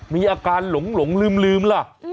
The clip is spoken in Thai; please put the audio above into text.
มีอาการหลงลืมล่ะ